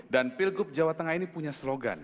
dan pilgub jawa tengah ini punya slogan